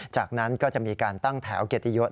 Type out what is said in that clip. จากนั้นก็จะมีการตั้งแถวเกียรติยศ